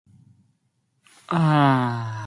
haaaa